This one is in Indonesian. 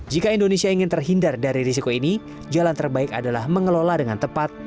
jika indonesia ingin terhindar dari risiko ini jalan terbaik adalah mengelola dengan tepat